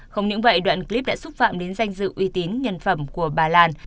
không những vậy đoạn clip đã xúc phạm đến danh dự uy tín nhân phẩm của bà lan